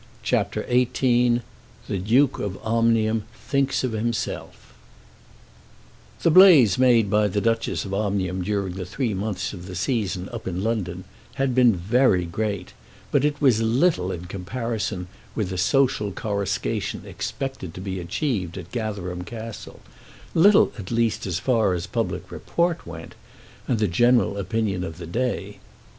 CHAPTER XVIII The Duke of Omnium Thinks of Himself The blaze made by the Duchess of Omnium during the three months of the season up in London had been very great, but it was little in comparison with the social coruscation expected to be achieved at Gatherum Castle, little at least as far as public report went, and the general opinion of the day.